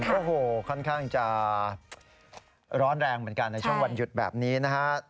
โอ้โหค่อนข้างจะร้อนแรงเหมือนกันในช่วงวันหยุดแบบนี้นะฮะ